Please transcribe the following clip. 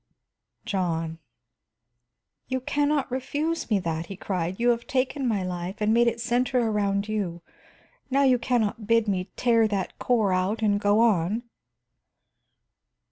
"John " "You can not refuse me that," he cried. "You have taken my life and made it center around you, now you can not bid me tear that core out and go on."